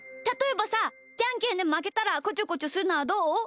たとえばさじゃんけんでまけたらこちょこちょするのはどう？